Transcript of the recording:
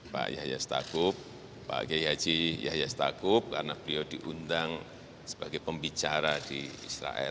pak yahya stakuf pak gey haji yahya stakuf karena beliau diundang sebagai pembicara di israel